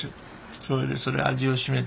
それでそれ味を占めてね